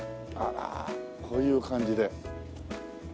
あらこういう感じで。